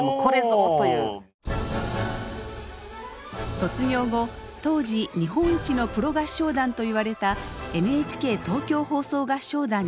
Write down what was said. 卒業後当時日本一のプロ合唱団と言われたＮＨＫ東京放送合唱団に入団。